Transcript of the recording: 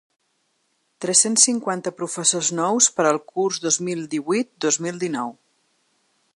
Tres-cents cinquanta professors nous per al curs dos mil divuit-dos mil dinou.